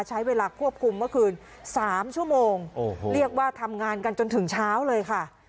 ใช้เวลาควบคุมเมื่อคืน๓ชั่วโมงโอ้โหเรียกว่าทำงานกันจนถึงเช้าเลยค่ะ